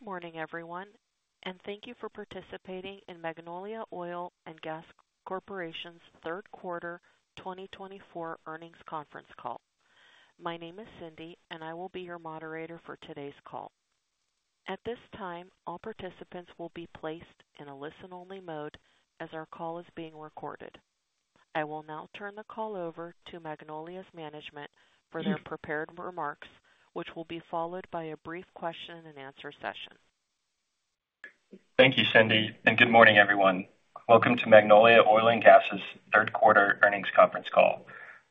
Good morning, everyone, and thank you for participating in Magnolia Oil & Gas Corporation's third quarter 2024 earnings conference call. My name is Cindy, and I will be your moderator for today's call. At this time, all participants will be placed in a listen-only mode as our call is being recorded. I will now turn the call over to Magnolia's management for their prepared remarks, which will be followed by a brief question-and-answer session. Thank you, Cindy, and good morning, everyone. Welcome to Magnolia Oil & Gas's third quarter earnings conference call.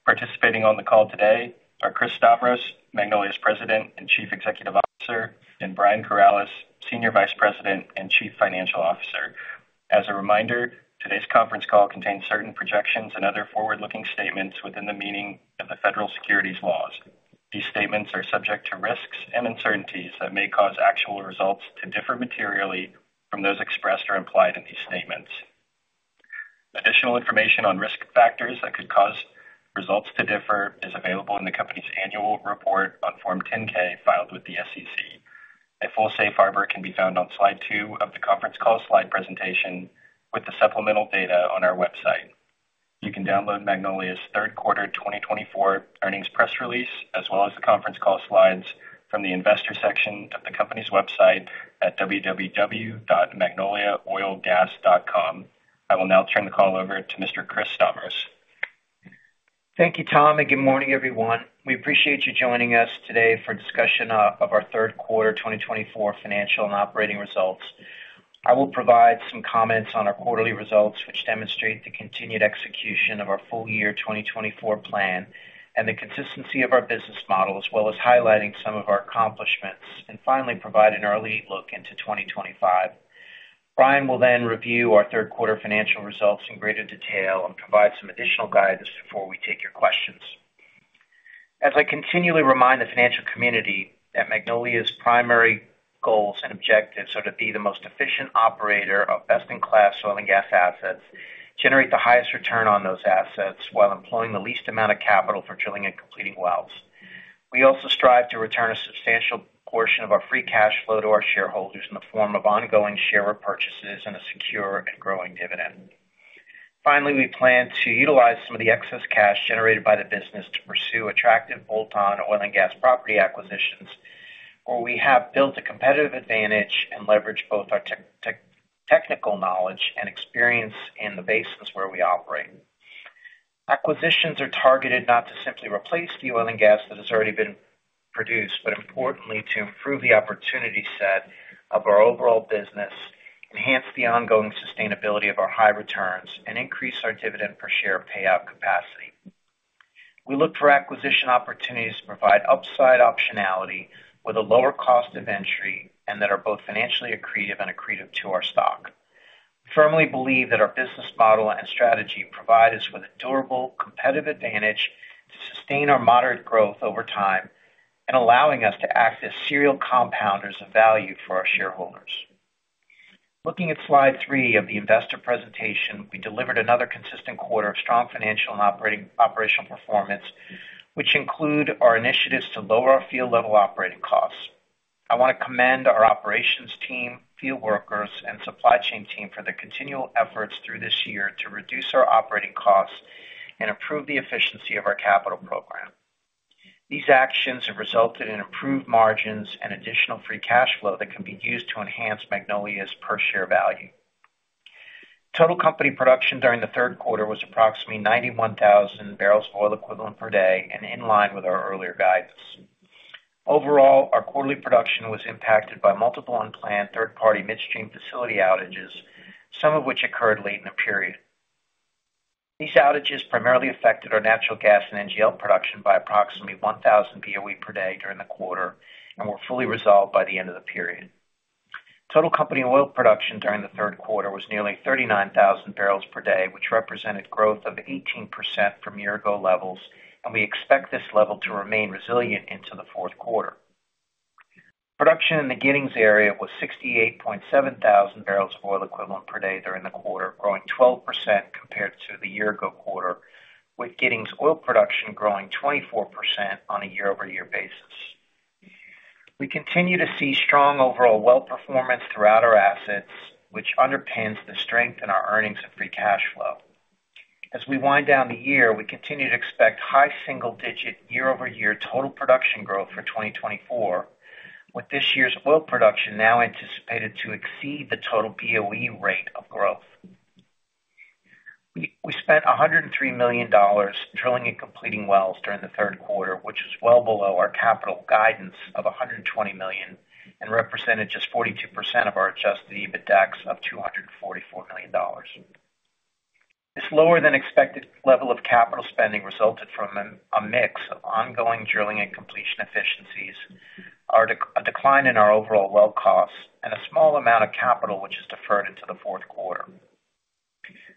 Participating on the call today are Chris Stavros, Magnolia's President and Chief Executive Officer, and Brian Corales, Senior Vice President and Chief Financial Officer. As a reminder, today's conference call contains certain projections and other forward-looking statements within the meaning of the federal securities laws. These statements are subject to risks and uncertainties that may cause actual results to differ materially from those expressed or implied in these statements. Additional information on risk factors that could cause results to differ is available in the company's Annual Report on Form 10-K filed with the SEC. A full Safe Harbor can be found on slide two of the conference call slide presentation with the supplemental data on our website. You can download Magnolia's third quarter 2024 earnings press release, as well as the conference call slides from the investor section of the company's website at www.magnoliaoilgas.com. I will now turn the call over to Mr. Chris Stavros. Thank you, Tom, and good morning, everyone. We appreciate you joining us today for discussion of our third quarter 2024 financial and operating results. I will provide some comments on our quarterly results, which demonstrate the continued execution of our full year 2024 plan and the consistency of our business model, as well as highlighting some of our accomplishments, and finally provide an early look into 2025. Brian will then review our third quarter financial results in greater detail and provide some additional guidance before we take your questions. As I continually remind the financial community that Magnolia's primary goals and objectives are to be the most efficient operator of best-in-class oil and gas assets, generate the highest return on those assets while employing the least amount of capital for drilling and completing wells. We also strive to return a substantial portion of our free cash flow to our shareholders in the form of ongoing share purchases and a secure and growing dividend. Finally, we plan to utilize some of the excess cash generated by the business to pursue attractive bolt-on oil and gas property acquisitions where we have built a competitive advantage and leverage both our technical knowledge and experience in the basins where we operate. Acquisitions are targeted not to simply replace the oil and gas that has already been produced, but importantly to improve the opportunity set of our overall business, enhance the ongoing sustainability of our high returns, and increase our dividend per share payout capacity. We look for acquisition opportunities to provide upside optionality with a lower cost of entry and that are both financially accretive and accretive to our stock. We firmly believe that our business model and strategy provide us with a durable competitive advantage to sustain our moderate growth over time and allowing us to act as serial compounders of value for our shareholders. Looking at slide three of the investor presentation, we delivered another consistent quarter of strong financial and operational performance, which include our initiatives to lower our field-level operating costs. I want to commend our operations team, field workers, and supply chain team for their continual efforts through this year to reduce our operating costs and improve the efficiency of our capital program. These actions have resulted in improved margins and additional free cash flow that can be used to enhance Magnolia's per share value. Total company production during the third quarter was approximately 91,000 barrels of oil equivalent per day, and in line with our earlier guidance. Overall, our quarterly production was impacted by multiple unplanned third-party midstream facility outages, some of which occurred late in the period. These outages primarily affected our natural gas and NGL production by approximately 1,000 BOE per day during the quarter and were fully resolved by the end of the period. Total company oil production during the third quarter was nearly 39,000 barrels per day, which represented growth of 18% from year-ago levels, and we expect this level to remain resilient into the fourth quarter. Production in the Giddings area was 68,700 barrels of oil equivalent per day during the quarter, growing 12% compared to the year-ago quarter, with Giddings oil production growing 24% on a year-over-year basis. We continue to see strong overall well performance throughout our assets, which underpins the strength in our earnings and free cash flow. As we wind down the year, we continue to expect high single-digit year-over-year total production growth for 2024, with this year's oil production now anticipated to exceed the total BOE rate of growth. We spent $103 million drilling and completing wells during the third quarter, which is well below our capital guidance of $120 million and represented just 42% of our adjusted EBITDA of $244 million. This lower-than-expected level of capital spending resulted from a mix of ongoing drilling and completion efficiencies, a decline in our overall well costs, and a small amount of capital which is deferred into the fourth quarter.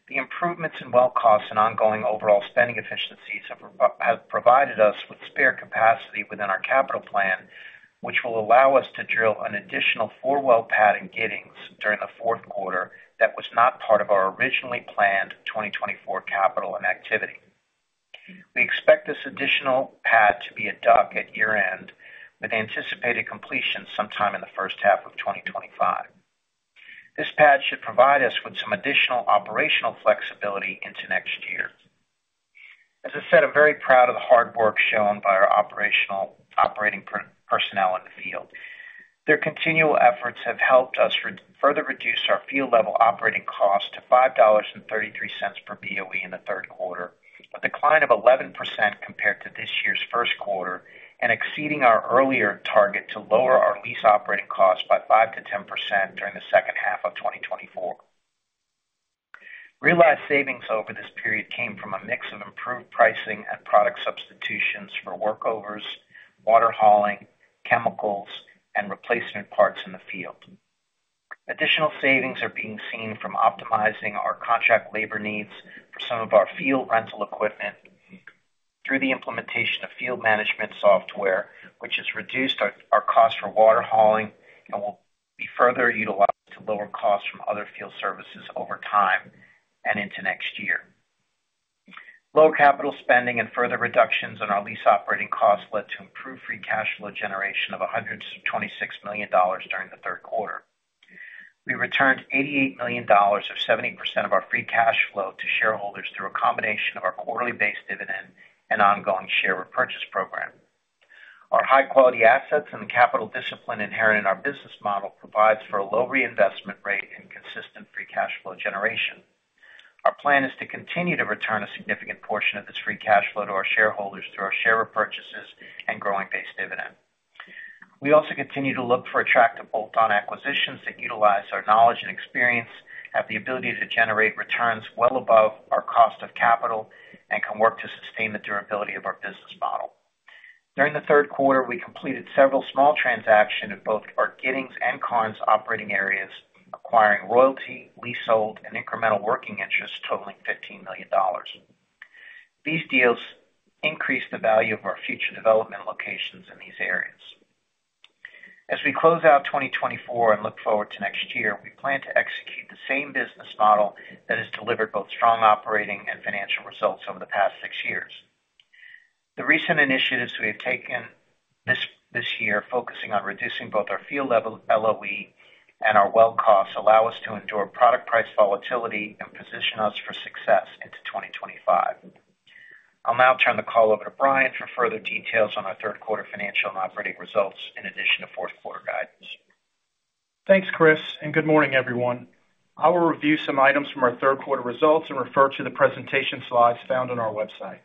The improvements in well costs and ongoing overall spending efficiencies have provided us with spare capacity within our capital plan, which will allow us to drill an additional four-well pad in Giddings during the fourth quarter that was not part of our originally planned 2024 capital and activity. We expect this additional pad to be a DUC at year-end with anticipated completion sometime in the first half of 2025. This pad should provide us with some additional operational flexibility into next year. As I said, I'm very proud of the hard work shown by our operational personnel in the field. Their continual efforts have helped us further reduce our field-level operating cost to $5.33 per BOE in the third quarter, a decline of 11% compared to this year's first quarter, and exceeding our earlier target to lower our lease operating costs by 5%-10% during the second half of 2024. Realized savings over this period came from a mix of improved pricing and product substitutions for workovers, water hauling, chemicals, and replacement parts in the field. Additional savings are being seen from optimizing our contract labor needs for some of our field rental equipment through the implementation of field management software, which has reduced our cost for water hauling and will be further utilized to lower costs from other field services over time and into next year. Lower capital spending and further reductions in our lease operating costs led to improved free cash flow generation of $126 million during the third quarter. We returned $88 million, or 70% of our free cash flow, to shareholders through a combination of our quarterly base dividend and ongoing share repurchase program. Our high-quality assets and the capital discipline inherent in our business model provide for a low reinvestment rate and consistent free cash flow generation. Our plan is to continue to return a significant portion of this free cash flow to our shareholders through our share repurchases and growing base dividend. We also continue to look for attractive bolt-on acquisitions that utilize our knowledge and experience, have the ability to generate returns well above our cost of capital, and can work to sustain the durability of our business model. During the third quarter, we completed several small transactions in both our Giddings and Karnes operating areas, acquiring royalty, leasehold, and incremental working interest totaling $15 million. These deals increased the value of our future development locations in these areas. As we close out 2024 and look forward to next year, we plan to execute the same business model that has delivered both strong operating and financial results over the past six years. The recent initiatives we have taken this year, focusing on reducing both our field-level LOE and our well costs, allow us to endure product price volatility and position us for success into 2025. I'll now turn the call over to Brian for further details on our third quarter financial and operating results, in addition to fourth quarter guidance. Thanks, Chris, and good morning, everyone. I will review some items from our third quarter results and refer to the presentation slides found on our website.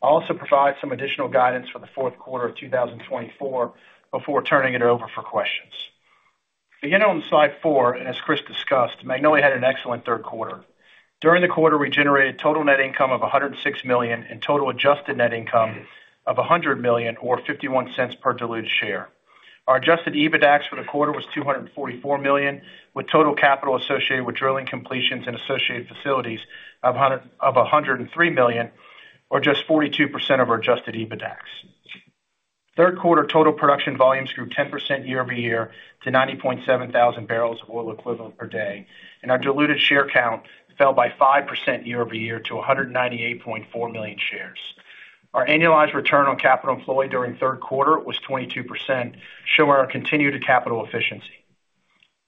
I'll also provide some additional guidance for the fourth quarter of 2024 before turning it over for questions. Beginning on slide four, and as Chris discussed, Magnolia had an excellent third quarter. During the quarter, we generated total net income of $106 million and total adjusted net income of $100 million, or $0.51 per diluted share. Our adjusted EBITDA for the quarter was $244 million, with total capital associated with drilling completions and associated facilities of $103 million, or just 42% of our adjusted EBITDA. Third quarter total production volumes grew 10% year-over-year to 90.7 thousand barrels of oil equivalent per day, and our diluted share count fell by 5% year-over-year to 198.4 million shares. Our annualized return on capital employed during third quarter was 22%, showing our continued capital efficiency.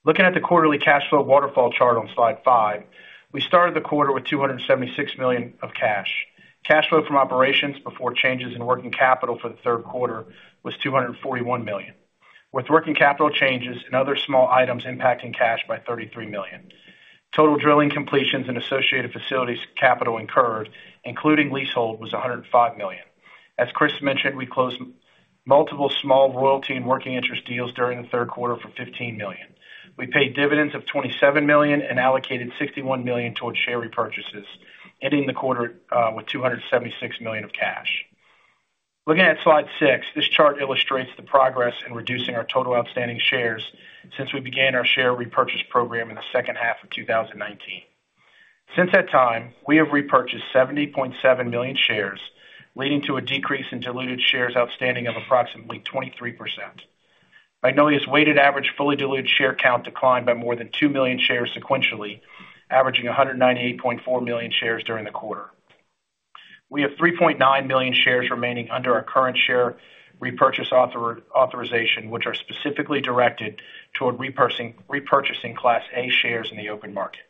Looking at the quarterly cash flow waterfall chart on slide five, we started the quarter with $276 million of cash. Cash flow from operations before changes in working capital for the third quarter was $241 million, with working capital changes and other small items impacting cash by $33 million. Total drilling completions and associated facilities capital incurred, including leasehold, was $105 million. As Chris mentioned, we closed multiple small royalty and working interest deals during the third quarter for $15 million. We paid dividends of $27 million and allocated $61 million towards share repurchases, ending the quarter with $276 million of cash. Looking at slide six, this chart illustrates the progress in reducing our total outstanding shares since we began our share repurchase program in the second half of 2019. Since that time, we have repurchased 70.7 million shares, leading to a decrease in diluted shares outstanding of approximately 23%. Magnolia's weighted average fully diluted share count declined by more than 2 million shares sequentially, averaging 198.4 million shares during the quarter. We have 3.9 million shares remaining under our current share repurchase authorization, which are specifically directed toward repurchasing Class A shares in the open market.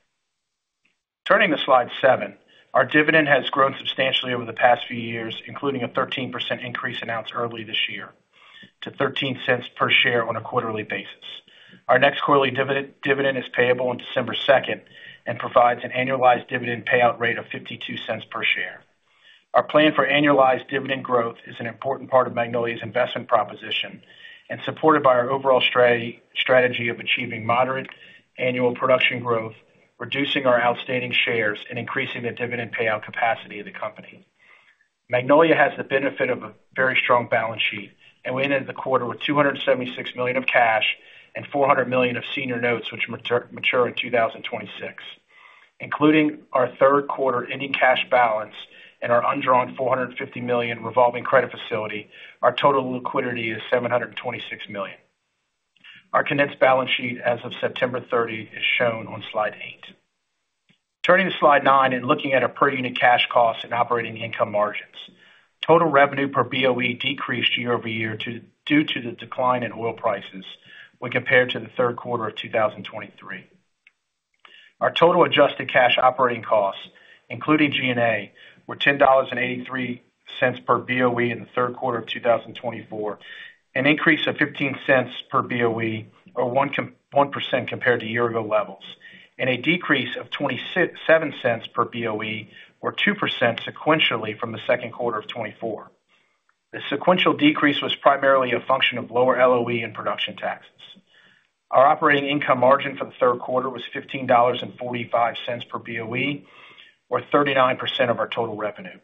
Turning to slide seven, our dividend has grown substantially over the past few years, including a 13% increase announced early this year to $0.13 per share on a quarterly basis. Our next quarterly dividend is payable on December 2nd and provides an annualized dividend payout rate of $0.52 per share. Our plan for annualized dividend growth is an important part of Magnolia's investment proposition and supported by our overall strategy of achieving moderate annual production growth, reducing our outstanding shares, and increasing the dividend payout capacity of the company. Magnolia has the benefit of a very strong balance sheet, and we ended the quarter with $276 million of cash and $400 million of senior notes, which mature in 2026. Including our third quarter ending cash balance and our undrawn $450 million revolving credit facility, our total liquidity is $726 million. Our condensed balance sheet as of September 30 is shown on slide eight. Turning to slide nine and looking at our per unit cash costs and operating income margins, total revenue per BOE decreased year-over-year due to the decline in oil prices when compared to the third quarter of 2023. Our total adjusted cash operating costs, including G&A, were $10.83 per BOE in the third quarter of 2024, an increase of $0.15 per BOE, or 1% compared to year-ago levels, and a decrease of $0.27 per BOE, or 2% sequentially from the second quarter of 2024. The sequential decrease was primarily a function of lower LOE and production taxes. Our operating income margin for the third quarter was $15.45 per BOE, or 39% of our total revenue.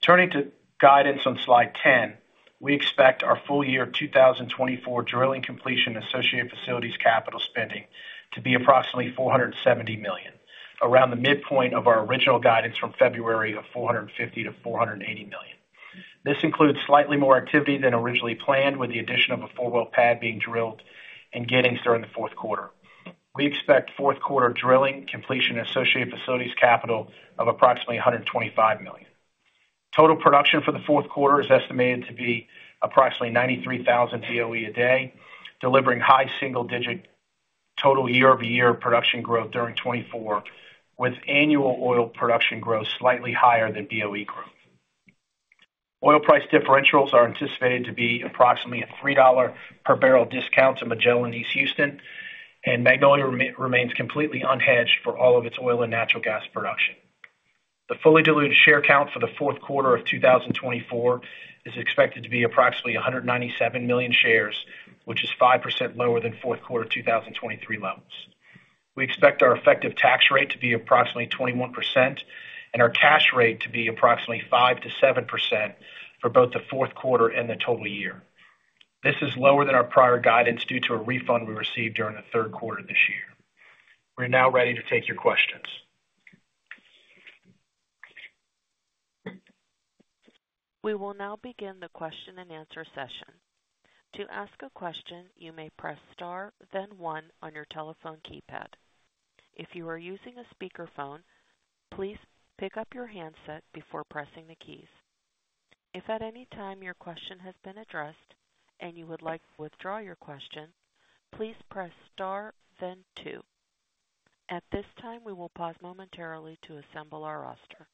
Turning to guidance on slide 10, we expect our full year 2024 drilling completion and associated facilities capital spending to be approximately $470 million, around the midpoint of our original guidance from February of $450-$480 million. This includes slightly more activity than originally planned, with the addition of a four well pad being drilled in Giddings during the fourth quarter. We expect fourth quarter drilling, completion, and associated facilities capital of approximately $125 million. Total production for the fourth quarter is estimated to be approximately 93,000 BOE a day, delivering high single-digit total year-over-year production growth during 2024, with annual oil production growth slightly higher than BOE growth. Oil price differentials are anticipated to be approximately a $3 per barrel discount to Magellan East Houston, and Magnolia remains completely unhedged for all of its oil and natural gas production. The fully diluted share count for the fourth quarter of 2024 is expected to be approximately 197 million shares, which is 5% lower than fourth quarter 2023 levels. We expect our effective tax rate to be approximately 21% and our cash rate to be approximately 5%-7% for both the fourth quarter and the total year. This is lower than our prior guidance due to a refund we received during the third quarter of this year. We're now ready to take your questions. We will now begin the question and answer session. To ask a question, you may press star, then one on your telephone keypad. If you are using a speakerphone, please pick up your handset before pressing the keys. If at any time your question has been addressed and you would like to withdraw your question, please press star, then two. At this time, we will pause momentarily to assemble our roster.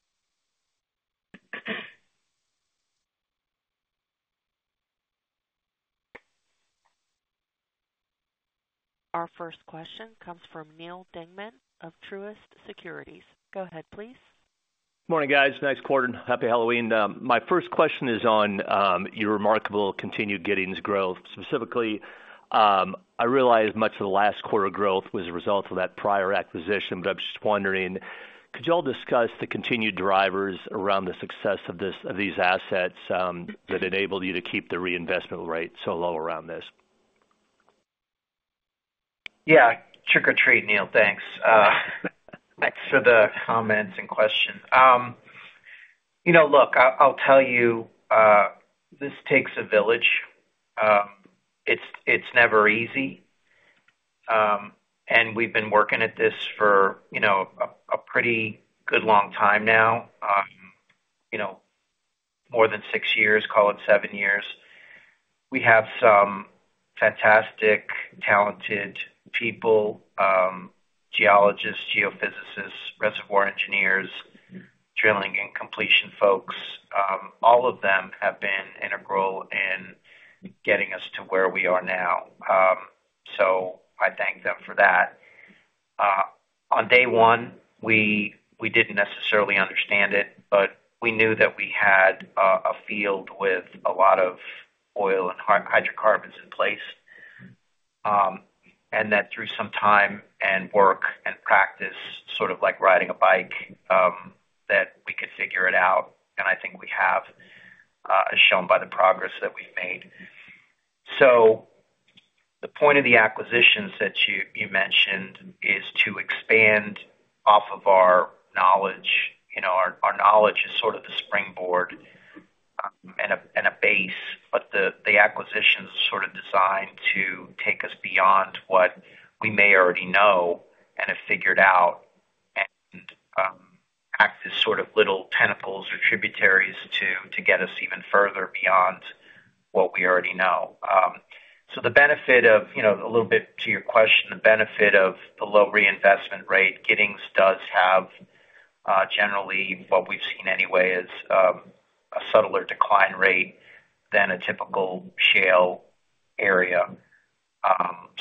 Our first question comes from Neil Dingman of Truist Securities. Go ahead, please. Good morning, guys. Nice quarter. Happy Halloween. My first question is on your remarkable continued Giddings growth. Specifically, I realize much of the last quarter growth was a result of that prior acquisition, but I'm just wondering, could y'all discuss the continued drivers around the success of these assets that enabled you to keep the reinvestment rate so low around this? Yeah. Trick or treat, Neil. Thanks. Thanks for the comments and questions. Look, I'll tell you, this takes a village. It's never easy. And we've been working at this for a pretty good long time now, more than six years, call it seven years. We have some fantastic, talented people: geologists, geophysicists, reservoir engineers, drilling and completion folks. All of them have been integral in getting us to where we are now. So I thank them for that. On day one, we didn't necessarily understand it, but we knew that we had a field with a lot of oil and hydrocarbons in place and that through some time and work and practice, sort of like riding a bike, that we could figure it out. And I think we have shown by the progress that we've made. So the point of the acquisitions that you mentioned is to expand off of our knowledge. Our knowledge is sort of the springboard and a base, but the acquisitions are sort of designed to take us beyond what we may already know and have figured out and act as sort of little tentacles or tributaries to get us even further beyond what we already know. So the benefit of, a little bit to your question, the benefit of the low reinvestment rate, Giddings does have generally what we've seen anyway is a subtler decline rate than a typical shale area,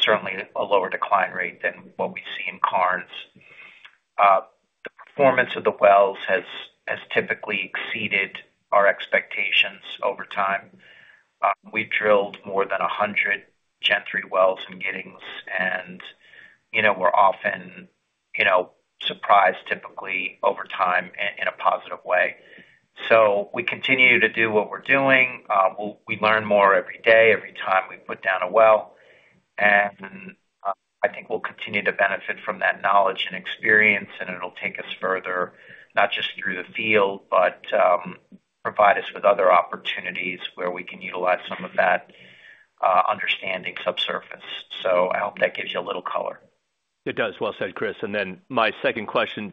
certainly a lower decline rate than what we see in Karnes. The performance of the wells has typically exceeded our expectations over time. We've drilled more than 100 Gen 3 wells in Giddings, and we're often surprised, typically, over time in a positive way. So we continue to do what we're doing. We learn more every day, every time we put down a well. And I think we'll continue to benefit from that knowledge and experience, and it'll take us further, not just through the field, but provide us with other opportunities where we can utilize some of that understanding subsurface. So I hope that gives you a little color. It does. Well said, Chris. And then my second question,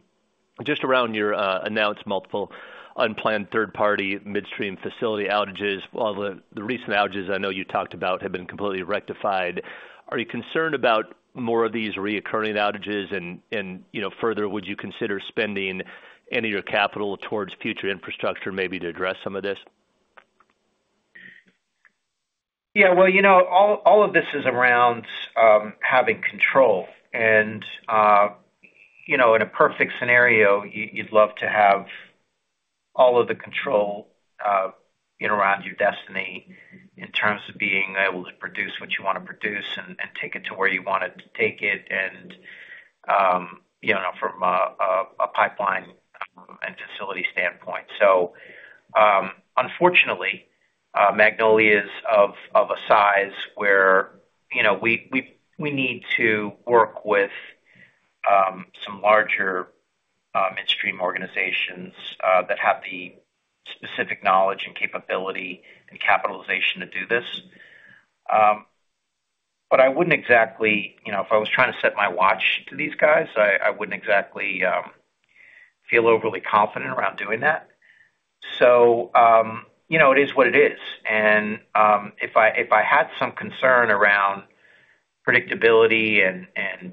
just around your announced multiple unplanned third-party midstream facility outages, while the recent outages I know you talked about have been completely rectified, are you concerned about more of these recurring outages? And further, would you consider spending any of your capital towards future infrastructure maybe to address some of this? Yeah. Well, all of this is around having control. And in a perfect scenario, you'd love to have all of the control around your destiny in terms of being able to produce what you want to produce and take it to where you wanted to take it from a pipeline and facility standpoint. So unfortunately, Magnolia is of a size where we need to work with some larger midstream organizations that have the specific knowledge and capability and capitalization to do this. But I wouldn't exactly, if I was trying to set my watch to these guys, I wouldn't exactly feel overly confident around doing that. So it is what it is. And if I had some concern around predictability and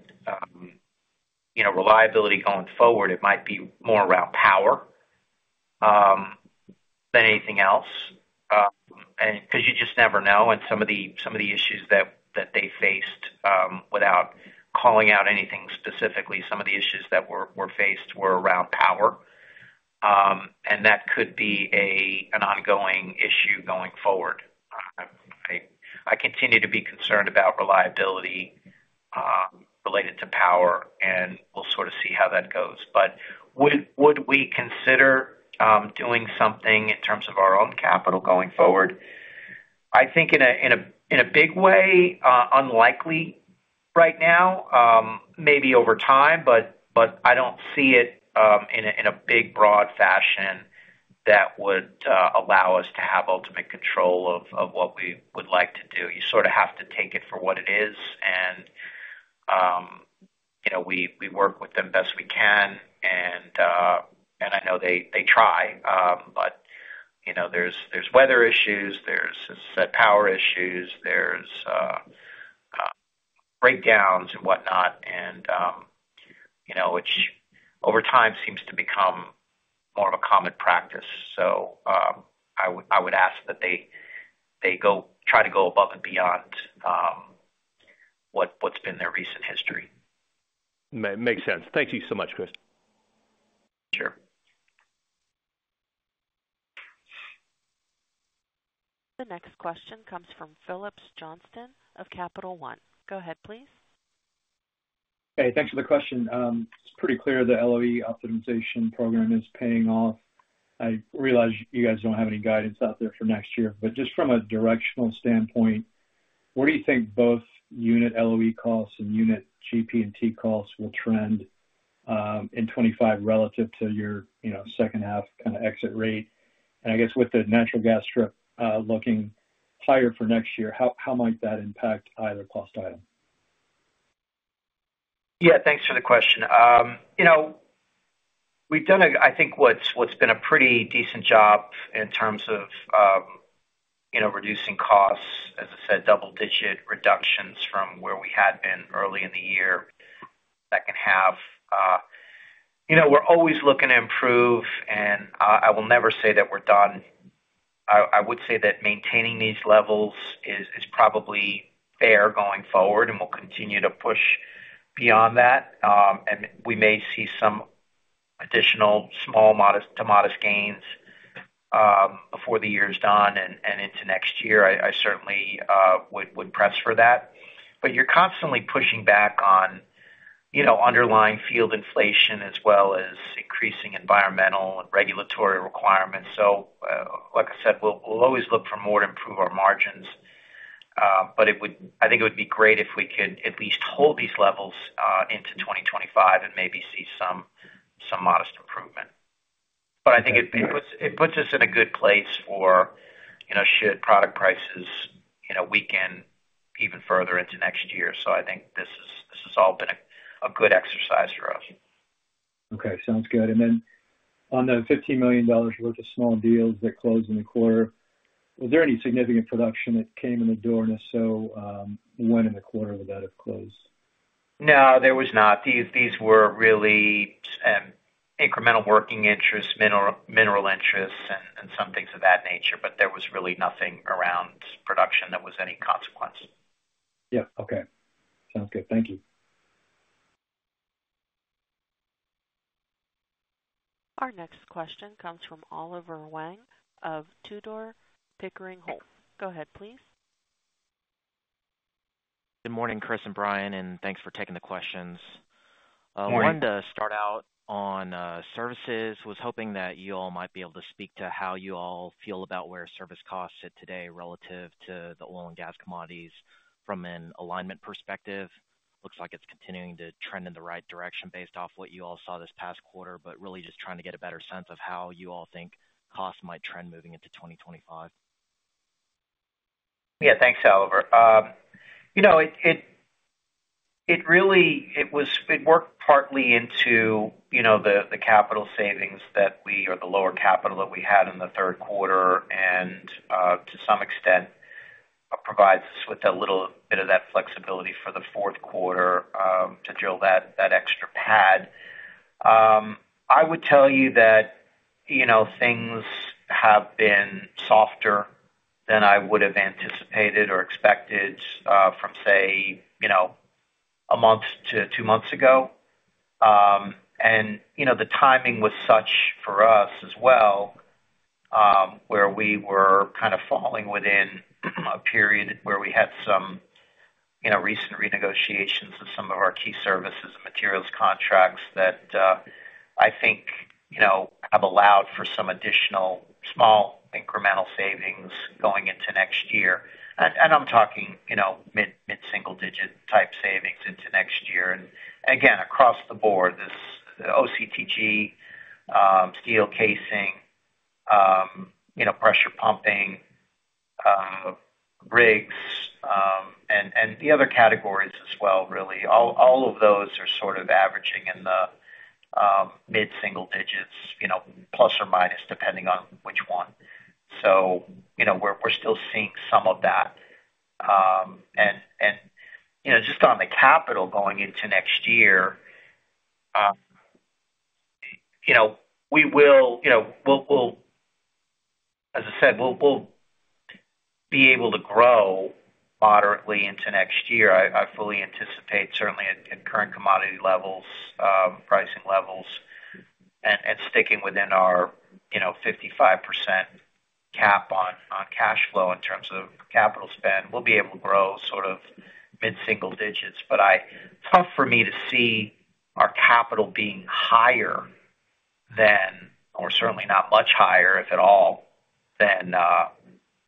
reliability going forward, it might be more around power than anything else. Because you just never know. Some of the issues that they faced without calling out anything specifically, some of the issues that were faced were around power. That could be an ongoing issue going forward. I continue to be concerned about reliability related to power, and we'll sort of see how that goes. Would we consider doing something in terms of our own capital going forward? I think in a big way, unlikely right now, maybe over time, but I don't see it in a big, broad fashion that would allow us to have ultimate control of what we would like to do. You sort of have to take it for what it is. We work with them best we can. I know they try, but there's weather issues, there's power issues, there's breakdowns and whatnot, which over time seems to become more of a common practice. So I would ask that they try to go above and beyond what's been their recent history. Makes sense. Thank you so much, Chris. Sure. The next question comes from Phillips Johnston of Capital One. Go ahead, please. Hey, thanks for the question. It's pretty clear the LOE optimization program is paying off. I realize you guys don't have any guidance out there for next year, but just from a directional standpoint, where do you think both unit LOE costs and unit GP&T costs will trend in 2025 relative to your second-half kind of exit rate? And I guess with the natural gas strip looking higher for next year, how might that impact either cost item? Yeah. Thanks for the question. We've done, I think, what's been a pretty decent job in terms of reducing costs, as I said, double-digit reductions from where we had been early in the year, second half. We're always looking to improve, and I will never say that we're done. I would say that maintaining these levels is probably fair going forward, and we'll continue to push beyond that, and we may see some additional small to modest gains before the year's done and into next year. I certainly would press for that, but you're constantly pushing back on underlying field inflation as well as increasing environmental and regulatory requirements, so like I said, we'll always look for more to improve our margins, but I think it would be great if we could at least hold these levels into 2025 and maybe see some modest improvement. But I think it puts us in a good place, for should product prices weaken even further into next year. So I think this has all been a good exercise for us. Okay. Sounds good. And then on the $15 million worth of small deals that closed in the quarter, was there any significant production that came in the door? And if so, when in the quarter would that have closed? No, there was not. These were really incremental working interest, mineral interest, and some things of that nature. But there was really nothing around production that was any consequence. Yeah. Okay. Sounds good. Thank you. Our next question comes from Oliver Huang of Tudor, Pickering, Holt & Co. Go ahead, please. Good morning, Chris and Brian, and thanks for taking the questions. I wanted to start out on services. I was hoping that you all might be able to speak to how you all feel about where service costs sit today relative to the oil and gas commodities from an alignment perspective. Looks like it's continuing to trend in the right direction based off what you all saw this past quarter, but really just trying to get a better sense of how you all think costs might trend moving into 2025. Yeah. Thanks, Oliver. It worked partly into the capital savings that we or the lower capital that we had in the third quarter and to some extent provides us with a little bit of that flexibility for the fourth quarter to drill that extra pad. I would tell you that things have been softer than I would have anticipated or expected from, say, a month to two months ago, and the timing was such for us as well where we were kind of falling within a period where we had some recent renegotiations of some of our key services and materials contracts that I think have allowed for some additional small incremental savings going into next year, and I'm talking mid-single-digit type savings into next year, and again, across the board, this OCTG, steel casing, pressure pumping, rigs, and the other categories as well, really. All of those are sort of averaging in the mid-single digits, plus or minus, depending on which one. So we're still seeing some of that. And just on the capital going into next year, we will, as I said, we'll be able to grow moderately into next year. I fully anticipate, certainly, at current commodity levels, pricing levels, and sticking within our 55% cap on cash flow in terms of capital spend, we'll be able to grow sort of mid-single digits. But it's tough for me to see our capital being higher than or certainly not much higher, if at all, than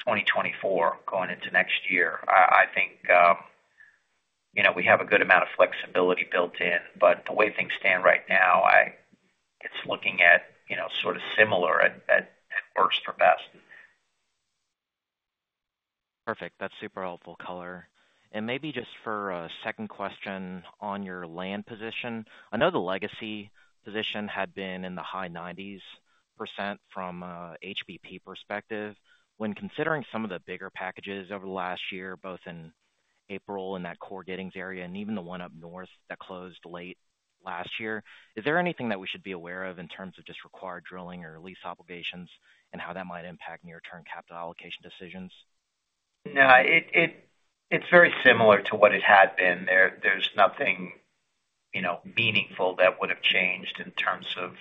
2024 going into next year. I think we have a good amount of flexibility built in. But the way things stand right now, it's looking at sort of similar at worst or best. Perfect. That's super helpful color. And maybe just for a second question on your land position, I know the legacy position had been in the high 90s% from an HBP perspective. When considering some of the bigger packages over the last year, both in April in that core Giddings area and even the one up north that closed late last year, is there anything that we should be aware of in terms of just required drilling or lease obligations and how that might impact near-term capital allocation decisions? No, it's very similar to what it had been. There's nothing meaningful that would have changed in terms of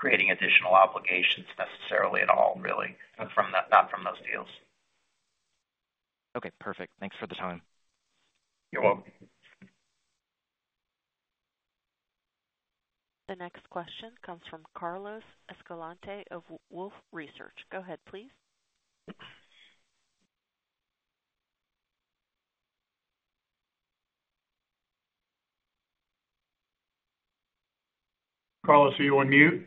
creating additional obligations necessarily at all, really, not from those deals. Okay. Perfect. Thanks for the time. You're welcome. The next question comes from Carlos Escalante of Wolfe Research. Go ahead, please. Carlos, are you on mute?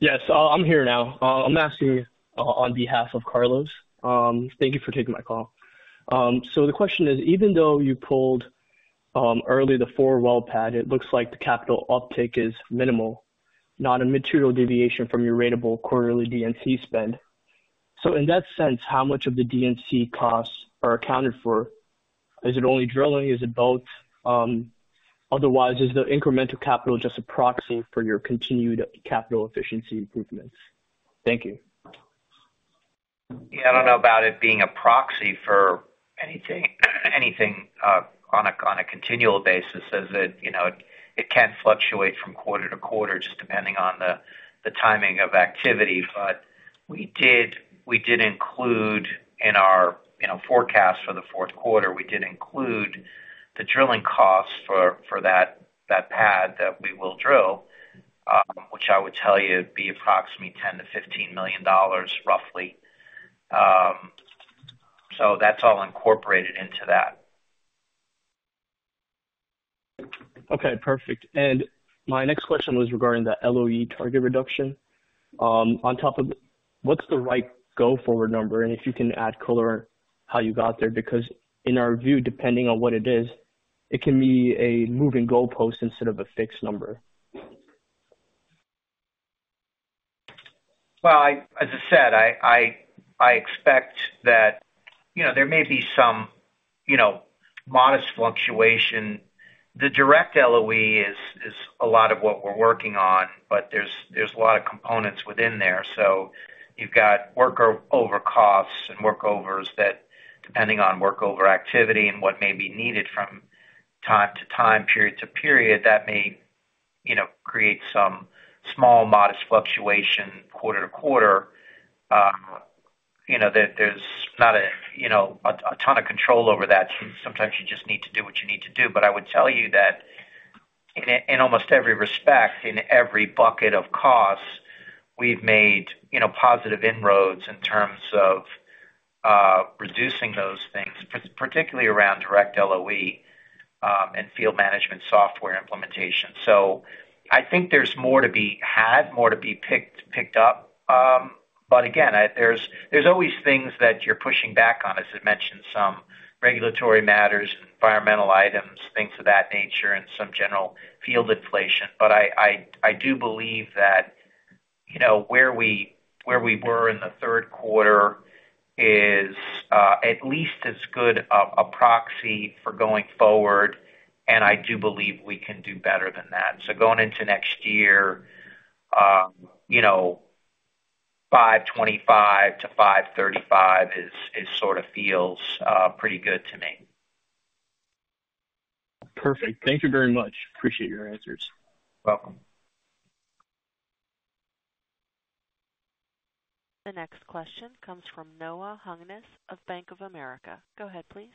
Yes. I'm here now. I'm asking on behalf of Carlos. Thank you for taking my call. So the question is, even though you pulled early the four well pad, it looks like the capital uptake is minimal, not a material deviation from your ratable quarterly D&C sp end. So in that sense, how much of the D&C costs are accounted for? Is it only drilling? Is it both? Otherwise, is the incremental capital just a proxy for your continued capital efficiency improvements? Thank you. Yeah. I don't know about it being a proxy for anything on a continual basis as it can fluctuate from quarter to quarter just depending on the timing of activity. But we did include in our forecast for the fourth quarter, we did include the drilling costs for that pad that we will drill, which I would tell you would be approximately $10 million-$15 million, roughly. So that's all incorporated into that. Okay. Perfect. And my next question was regarding the LOE target reduction. On top of what's the right go-forward number? And if you can add color on how you got there, because in our view, depending on what it is, it can be a moving goalpost instead of a fixed number. As I said, I expect that there may be some modest fluctuation. The direct LOE is a lot of what we're working on, but there's a lot of components within there. So you've got workover costs and workovers that, depending on workover activity and what may be needed from time to time, period to period, that may create some small modest fluctuation quarter to quarter. There's not a ton of control over that. Sometimes you just need to do what you need to do. But I would tell you that in almost every respect, in every bucket of costs, we've made positive inroads in terms of reducing those things, particularly around direct LOE and field management software implementation. So I think there's more to be had, more to be picked up. But again, there's always things that you're pushing back on, as I mentioned, some regulatory matters, environmental items, things of that nature, and some general field inflation. But I do believe that where we were in the third quarter is at least as good a proxy for going forward. And I do believe we can do better than that. So going into next year, 525-535 sort of feels pretty good to me. Perfect. Thank you very much. Appreciate your answers. You're welcome. The next question comes from Noah Hungness of Bank of America. Go ahead, please.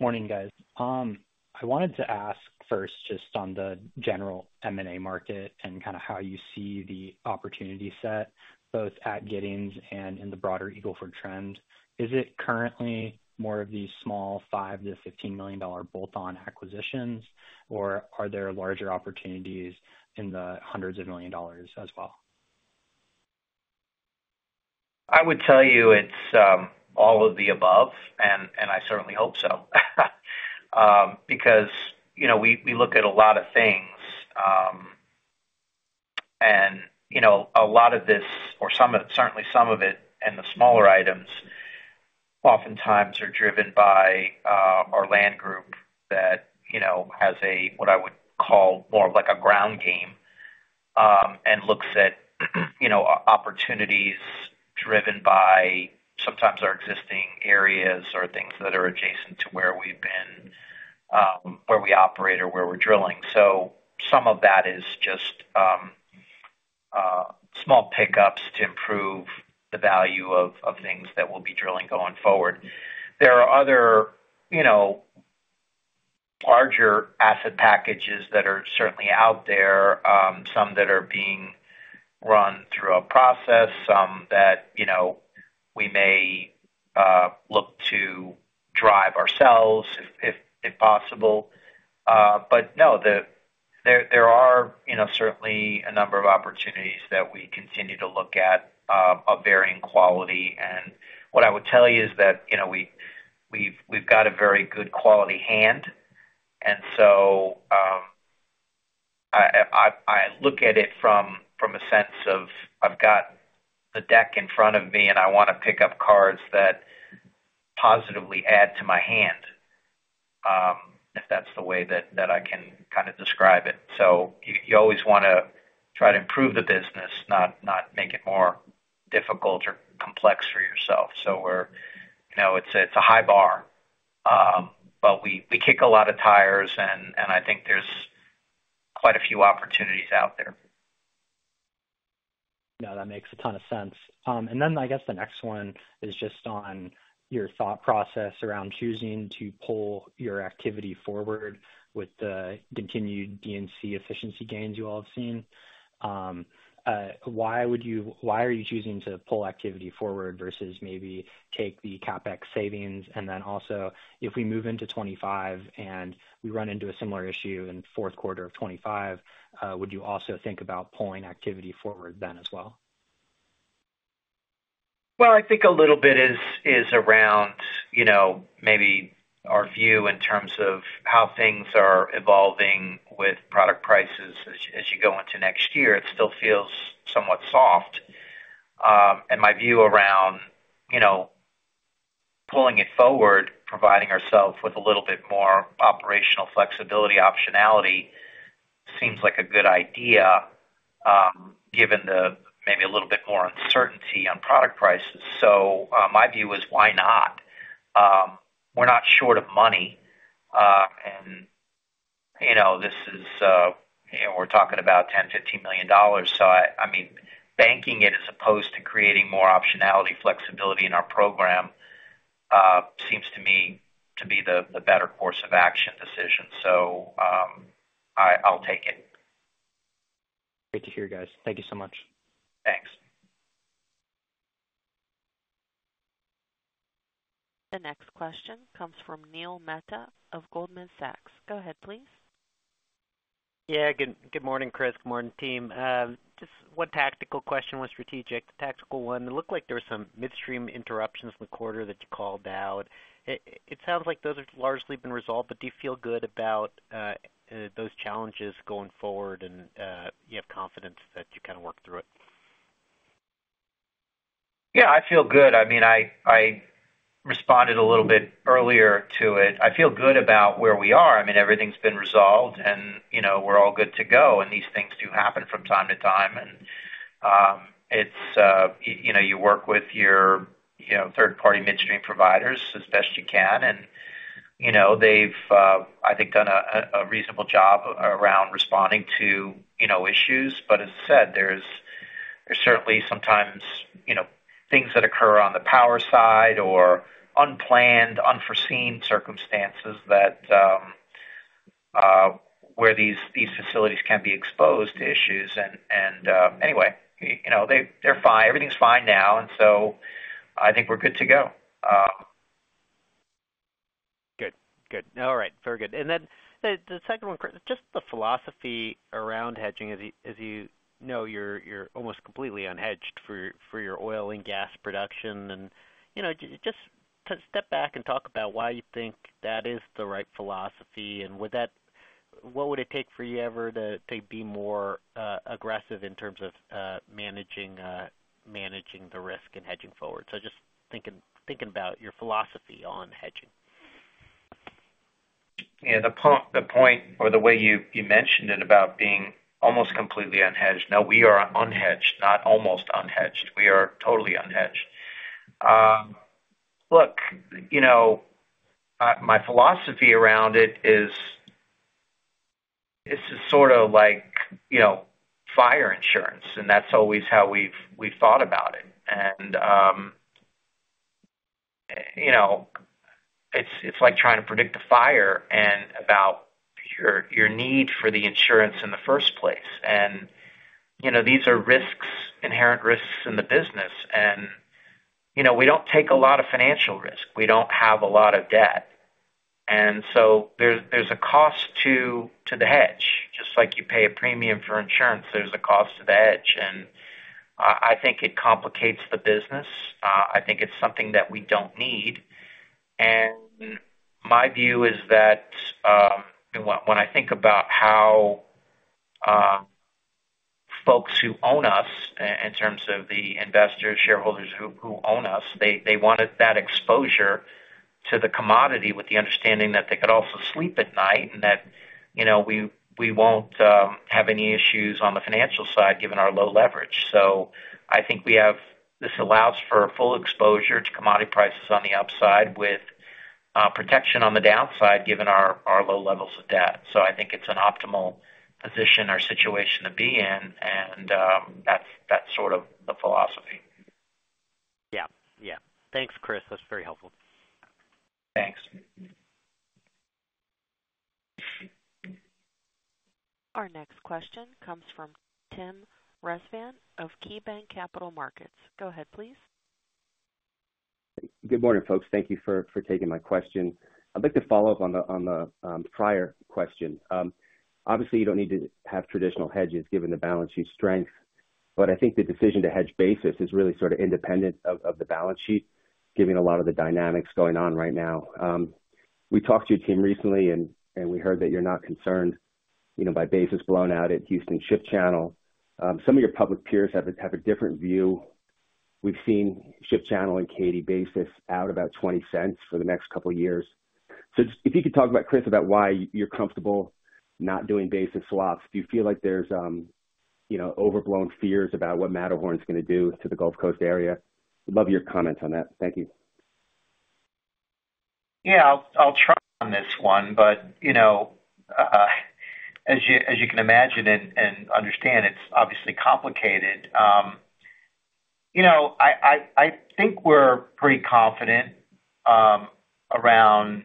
Morning, guys. I wanted to ask first just on the general M&A market and kind of how you see the opportunity set both at Giddings and in the broader Eagle Ford Trend. Is it currently more of these small $5 million-$15 million bolt-on acquisitions, or are there larger opportunities in the hundreds of millions of dollars as well? I would tell you it's all of the above, and I certainly hope so, because we look at a lot of things. And a lot of this, or certainly some of it, and the smaller items oftentimes are driven by our land group that has what I would call more of like a ground game and looks at opportunities driven by sometimes our existing areas or things that are adjacent to where we've been, where we operate, or where we're drilling. So some of that is just small pickups to improve the value of things that we'll be drilling going forward. There are other larger asset packages that are certainly out there, some that are being run through a process, some that we may look to drive ourselves if possible. But no, there are certainly a number of opportunities that we continue to look at of varying quality. What I would tell you is that we've got a very good quality hand. I look at it from a sense of I've got the deck in front of me, and I want to pick up cards that positively add to my hand, if that's the way that I can kind of describe it. You always want to try to improve the business, not make it more difficult or complex for yourself. It's a high bar, but we kick a lot of tires, and I think there's quite a few opportunities out there. No, that makes a ton of sense. And then I guess the next one is just on your thought process around choosing to pull your activity forward with the continued D&C efficiency gains you all have seen. Why are you choosing to pull activity forward versus maybe take the CapEx savings? And then also, if we move into 2025 and we run into a similar issue in the fourth quarter of 2025, would you also think about pulling activity forward then as well? I think a little bit is around maybe our view in terms of how things are evolving with product prices as you go into next year. It still feels somewhat soft. My view around pulling it forward, providing ourselves with a little bit more operational flexibility, optionality seems like a good idea given the maybe a little bit more uncertainty on product prices. So my view is, why not? We're not short of money. And this is we're talking about $10-$15 million. So I mean, banking it as opposed to creating more optionality, flexibility in our program seems to me to be the better course of action decision. So I'll take it. Great to hear, guys. Thank you so much. Thanks. The next question comes from Neil Mehta of Goldman Sachs. Go ahead, please. Yeah. Good morning, Chris. Good morning, team. Just one tactical question was strategic, the tactical one. It looked like there were some midstream interruptions in the quarter that you called out. It sounds like those have largely been resolved, but do you feel good about those challenges going forward, and you have confidence that you kind of worked through it? Yeah, I feel good. I mean, I responded a little bit earlier to it. I feel good about where we are. I mean, everything's been resolved, and we're all good to go, and these things do happen from time to time, and you work with your third-party midstream providers as best you can, and they've, I think, done a reasonable job around responding to issues, but as I said, there's certainly sometimes things that occur on the power side or unplanned, unforeseen circumstances where these facilities can be exposed to issues, and anyway, they're fine. Everything's fine now, and so I think we're good to go. Good. Good. All right. Very good. And then the second one, Chris, just the philosophy around hedging. As you know, you're almost completely unhedged for your oil and gas production. And just step back and talk about why you think that is the right philosophy. And what would it take for you ever to be more aggressive in terms of managing the risk and hedging forward? So just thinking about your philosophy on hedging. Yeah. The point or the way you mentioned it about being almost completely unhedged. No, we are unhedged, not almost unhedged. We are totally unhedged. Look, my philosophy around it is this is sort of like fire insurance, and that's always how we've thought about it. And it's like trying to predict a fire and about your need for the insurance in the first place. And these are inherent risks in the business. And we don't take a lot of financial risk. We don't have a lot of debt. And so there's a cost to the hedge. Just like you pay a premium for insurance, there's a cost to the hedge. And I think it complicates the business. I think it's something that we don't need. My view is that when I think about how folks who own us, in terms of the investors, shareholders who own us, they wanted that exposure to the commodity with the understanding that they could also sleep at night and that we won't have any issues on the financial side given our low leverage. I think this allows for full exposure to commodity prices on the upside with protection on the downside given our low levels of debt. I think it's an optimal position or situation to be in. That's sort of the philosophy. Yeah. Yeah. Thanks, Chris. That's very helpful. Thanks. Our next question comes from Tim Rezvan of KeyBanc Capital Markets. Go ahead, please. Good morning, folks. Thank you for taking my question. I'd like to follow up on the prior question. Obviously, you don't need to have traditional hedges given the balance sheet strength. But I think the decision to hedge basis is really sort of independent of the balance sheet, given a lot of the dynamics going on right now. We talked to your team recently, and we heard that you're not concerned by basis blown out at Houston Ship Channel. Some of your public peers have a different view. We've seen Ship Channel and Katy basis out about $0.20 for the next couple of years. So if you could talk about, Chris, about why you're comfortable not doing basis swaps, if you feel like there's overblown fears about what Matterhorn is going to do to the Gulf Coast area? We'd love your comments on that. Thank you. Yeah. I'll try on this one. But as you can imagine and understand, it's obviously complicated. I think we're pretty confident around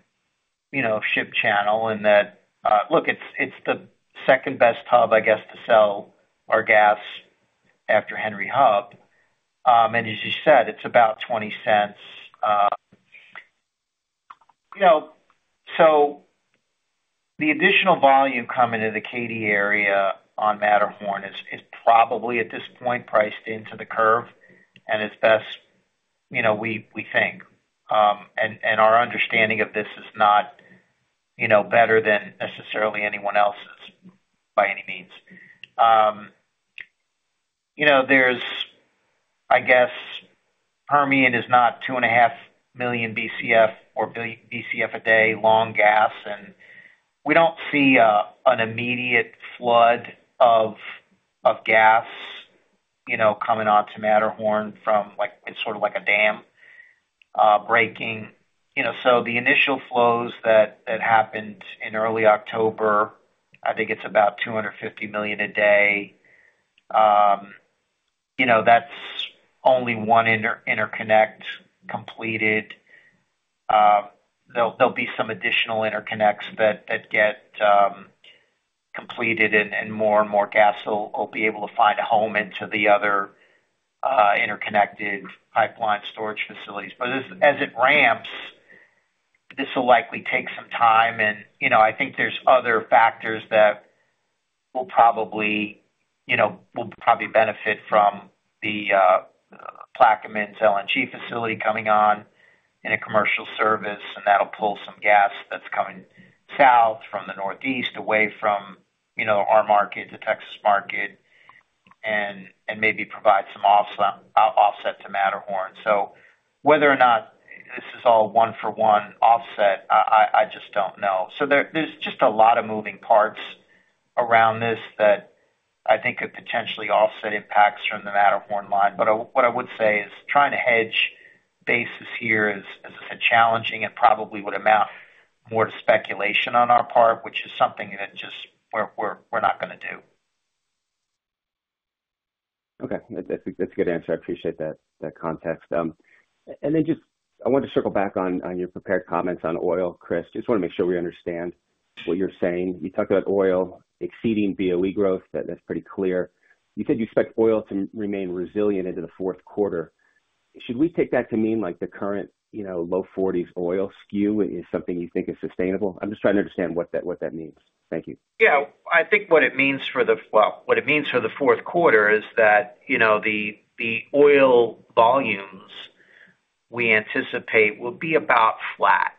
Houston Ship Channel in that, look, it's the second best hub, I guess, to sell our gas after Henry Hub. And as you said, it's about $0.20. So the additional volume coming into the Katy area on Matterhorn is probably at this point priced into the curve and as best we think. And our understanding of this is not better than necessarily anyone else's by any means. I guess Permian is not two and a half million BCF or BCF a day long gas. And we don't see an immediate flood of gas coming onto Matterhorn from sort of like a dam breaking. So the initial flows that happened in early October, I think it's about 250 million a day. That's only one interconnect completed. There'll be some additional interconnects that get completed, and more and more gas will be able to find a home into the other interconnected pipeline storage facilities, but as it ramps, this will likely take some time, and I think there's other factors that will probably benefit from the Plaquemines LNG facility coming on in a commercial service, and that'll pull some gas that's coming south from the Northeast away from our market, the Texas market, and maybe provide some offset to Matterhorn, so whether or not this is all one-for-one offset, I just don't know, so there's just a lot of moving parts around this that I think could potentially offset impacts from the Matterhorn line. But what I would say is trying to hedge basis here is, as I said, challenging and probably would amount more to speculation on our part, which is something that just we're not going to do. Okay. That's a good answer. I appreciate that context, and then just I want to circle back on your prepared comments on oil, Chris. Just want to make sure we understand what you're saying. You talked about oil exceeding BOE growth. That's pretty clear. You said you expect oil to remain resilient into the fourth quarter. Should we take that to mean the current low 40s oil skew is something you think is sustainable? I'm just trying to understand what that means. Thank you. Yeah. I think what it means for the well, what it means for the fourth quarter is that the oil volumes we anticipate will be about flat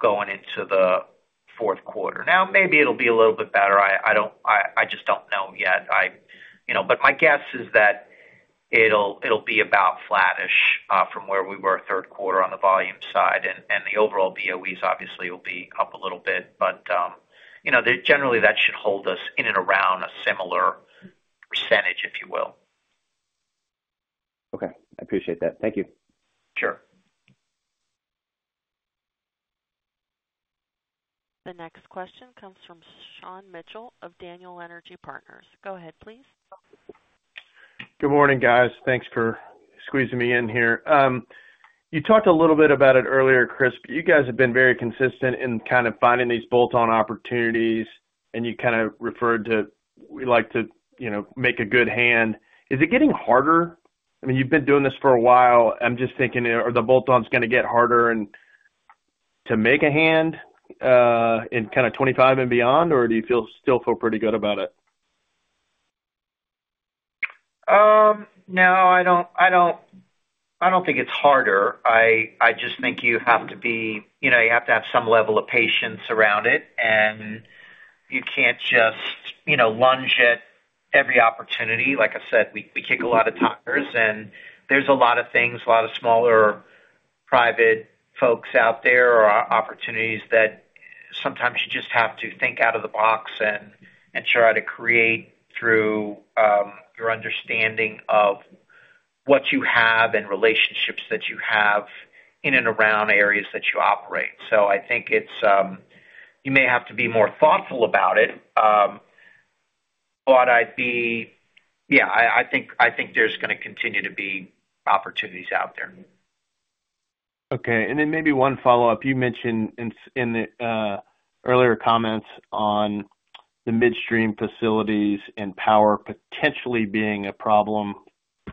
going into the fourth quarter. Now, maybe it'll be a little bit better. I just don't know yet. But my guess is that it'll be about flattish from where we were third quarter on the volume side. And the overall BOEs obviously will be up a little bit. But generally, that should hold us in and around a similar percentage, if you will. Okay. I appreciate that. Thank you. Sure. The next question comes from Sean Mitchell of Daniel Energy Partners. Go ahead, please. Good morning, guys. Thanks for squeezing me in here. You talked a little bit about it earlier, Chris, but you guys have been very consistent in kind of finding these bolt-on opportunities, and you kind of referred to we like to make a good hand. Is it getting harder? I mean, you've been doing this for a while. I'm just thinking, are the bolt-ons going to get harder to make a hand in kind of 2025 and beyond, or do you still feel pretty good about it? No, I don't think it's harder. I just think you have to have some level of patience around it, and you can't just lunge at every opportunity. Like I said, we kick a lot of tires, and there's a lot of things, a lot of smaller private folks out there or opportunities that sometimes you just have to think out of the box and try to create through your understanding of what you have and relationships that you have in and around areas that you operate. So I think you may have to be more thoughtful about it. But yeah, I think there's going to continue to be opportunities out there. Okay. And then maybe one follow-up. You mentioned in the earlier comments on the midstream facilities and power potentially being a problem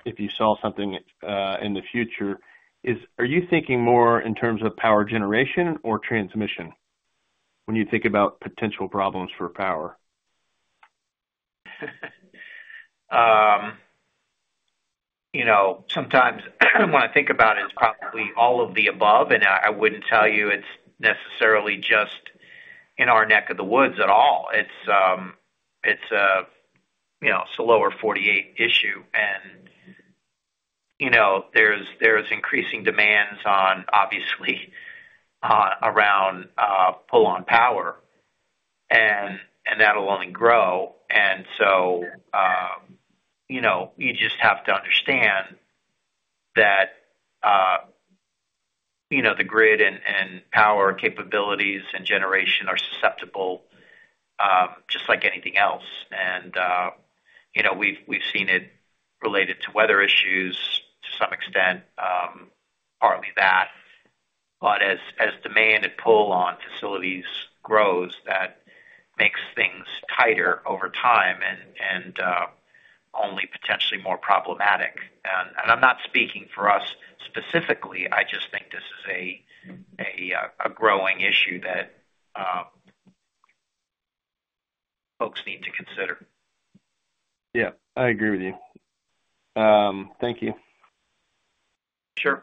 if you saw something in the future. Are you thinking more in terms of power generation or transmission when you think about potential problems for power? Sometimes when I think about it, it's probably all of the above. And I wouldn't tell you it's necessarily just in our neck of the woods at all. It's a Lower 48 issue. And there's increasing demands on, obviously, around pull-on power, and that'll only grow. And so you just have to understand that the grid and power capabilities and generation are susceptible just like anything else. And we've seen it related to weather issues to some extent, partly that. But as demand and pull-on facilities grows, that makes things tighter over time and only potentially more problematic. And I'm not speaking for us specifically. I just think this is a growing issue that folks need to consider. Yeah. I agree with you. Thank you. Sure.